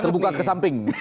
terbuka ke samping